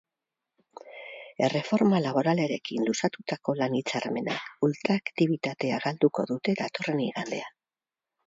Erreforma laboralarekin, luzatutako lan-hitzarmenak ultraaktibitatea galduko dute datorren igandean.